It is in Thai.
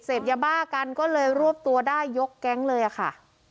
เสพยาบ้ากันก็เลยรวบตัวได้ยกแก๊งเลยอะค่ะ